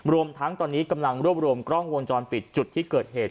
รวมทั้งตอนนี้กำลังรวบรวมกล้องวงจรปิดจุดที่เกิดเหตุ